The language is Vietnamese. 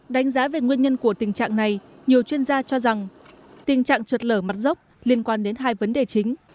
đánh giá về nguyên nhân của tình trạng này nhiều chuyên gia cho rằng tình trạng trượt lở mặt dốc liên quan đến hai vấn đề chính